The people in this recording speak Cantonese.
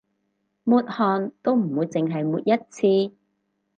抹汗都唔會淨係抹一次